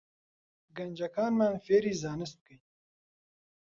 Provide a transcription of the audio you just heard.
گەنجەکانمان فێری زانست بکەین